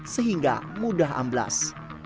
sehingga mudah amblas